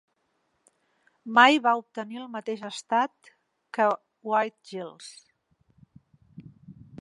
Mai va obtenir el mateix estat que Wade-Giles.